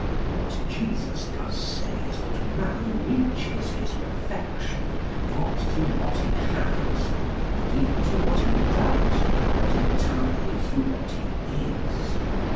What Jesus does say is that man reaches his perfection, not through what he has, not even through what he does, but entirely through what he is.